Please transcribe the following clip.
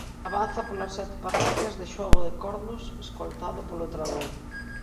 Avanza polas sete parroquias de Xogo de Cornos, escoltado polo dragón.